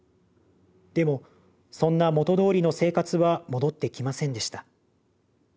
でもそんな元通りの生活は戻ってきませんでした。